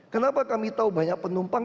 kenapa kami tahu banyak penumpang